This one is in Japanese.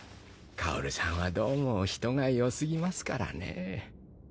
薫さんはどうも人が良すぎますからねぇ。